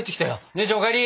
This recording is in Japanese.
姉ちゃんお帰り！